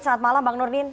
selamat malam bang nurdin